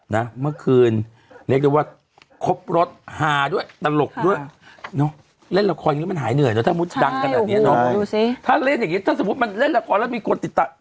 ดูซิถ้าเล่นอย่างงี้ถ้าสมมติเล่นละครแล้วมีก้นติดตะ